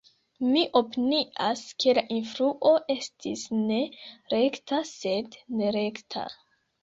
Mi opinias, ke la influo estis ne rekta, sed nerekta.